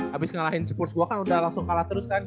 habis ngalahin sukurs gue kan udah langsung kalah terus kan